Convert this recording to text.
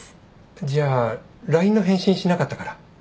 じゃあＬＩＮＥの返信しなかったから？